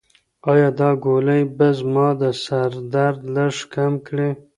ایا دا ګولۍ به زما د سر درد لږ کم کړي؟